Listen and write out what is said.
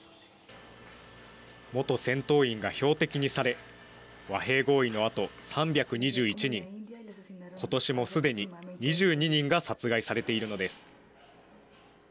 元戦闘員が標的にされ和平合意のあと、３２１人ことしも、すでに２２人が殺害されているのです。